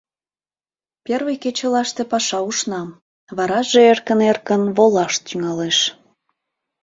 Первый кечылаште паша ушна, вараже эркын-эркын волаш тӱҥалеш.